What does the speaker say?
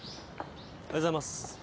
おはようございます。